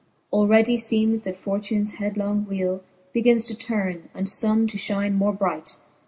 Alreadie feemes, that fortunes headlong wheels. Begins to turn, and funne to fliine more bright.